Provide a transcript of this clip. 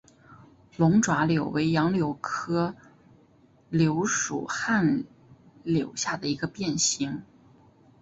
龙爪柳为杨柳科柳属旱柳下的一个变型。